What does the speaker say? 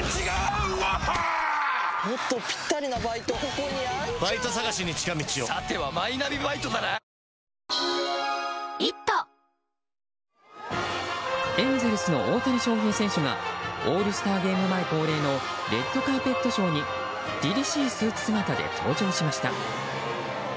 おいしい免疫ケアエンゼルスの大谷翔平選手がオールスターゲーム前恒例のレッドカーペットショーに凛々しいスーツ姿で登場しました。